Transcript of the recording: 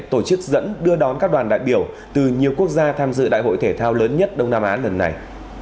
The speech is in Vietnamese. tổ chức dẫn đưa đón các đoàn đại biểu từ nhiều quốc gia tham dự đại hội thể thao lớn nhất đông nam á lần này